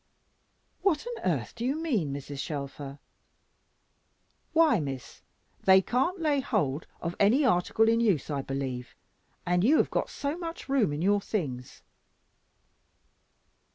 "What on earth do you mean, Mrs. Shelfer?" "Why, Miss, they can't lay hold of any article in use, I believe, and you have got so much room in your things."